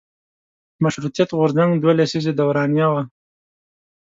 مشروطیت غورځنګ دوه لسیزې دورانیه وه.